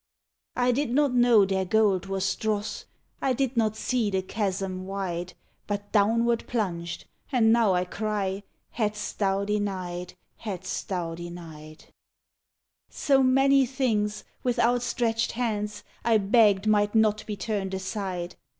I did not know their gold was dross; I did not see the chasm wide But downward plunged, and now I cry Hadst Thou denied! Hadst Thou denied! So many things, with outstretched hands, I begged might not be turned aside.